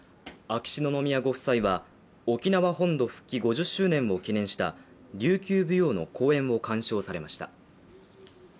秋篠宮ご夫妻は沖縄本土復帰５０周年を記念した琉球舞踊の公演を鑑賞されました。